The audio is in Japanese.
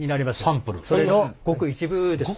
それのごく一部です。